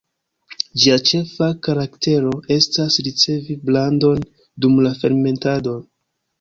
Ĝia ĉefa karaktero estas ricevi brandon dum la fermentado.